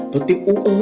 và tiếng ú ố